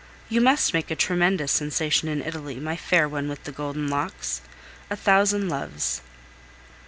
You must make a tremendous sensation in Italy, my fair one with the golden locks. A thousand loves.